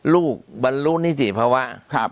บรรลุนิติภาวะ